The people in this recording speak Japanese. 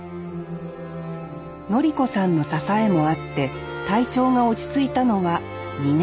教子さんの支えもあって体調が落ち着いたのは２年後。